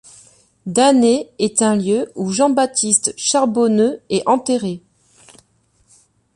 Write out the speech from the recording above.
Danner est le lieu où Jean Baptiste Charbonneau est enterré.